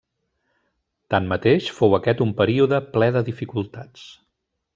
Tanmateix fou aquest un període ple de dificultats.